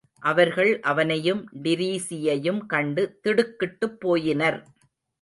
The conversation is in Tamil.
அவர்கள் அவனையும் டிரீஸியையும் கண்டு திடுக்கிட்டுப்போயினர்.